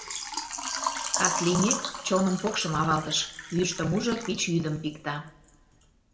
Кас лиймек, чоным покшым авалтыш, Йӱштымужо пич йӱдым пикта.